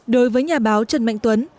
đối với nhà báo trần mạnh tuấn